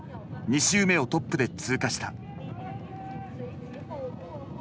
２周目をトップで通過した。